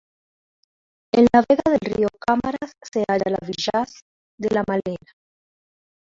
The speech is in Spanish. En la vega del río Cámaras se halla la villae de La Malena.